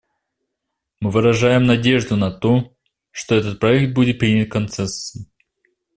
Мы выражаем надежду на то, что этот проект будет принят консенсусом.